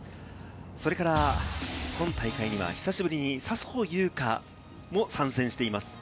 それから、今大会には久しぶりに笹生優花も参戦しています。